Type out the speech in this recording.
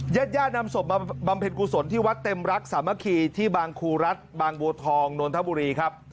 ญาติญาตินำศพมาบำเพ็ญกุศลที่วัดเต็มรักสามัคคีที่บางครูรัฐบางบัวทองนนทบุรีครับ